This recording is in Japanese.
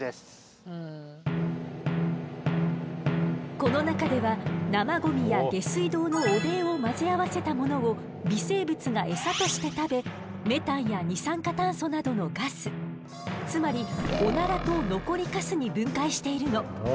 この中では生ゴミや下水道の汚泥を混ぜ合わせたものを微生物がエサとして食べメタンや二酸化炭素などのガスつまりオナラと残りカスに分解しているの。